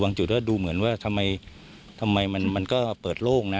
จุดก็ดูเหมือนว่าทำไมมันก็เปิดโล่งนะ